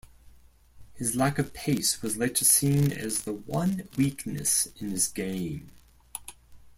His lack of pace was later seen as the one weakness in his game.